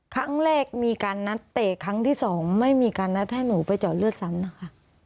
ครั้งแรกมีการนัดเตะครั้งที่สองไม่มีการนัดให้หนูไปจอดเลือดซ้ำนะคะ